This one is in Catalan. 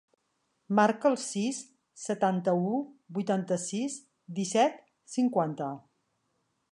Marca el sis, setanta-u, vuitanta-sis, disset, cinquanta.